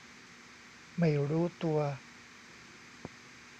ไม่รู้ตัว